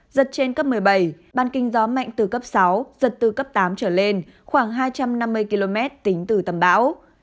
giật trên cấp một mươi bảy ban kinh gió mạnh từ cấp sáu giật từ cấp tám trở lên khoảng hai trăm năm mươi km tính từ tâm bão